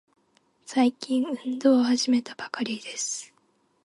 最近、運動を始めたばかりです。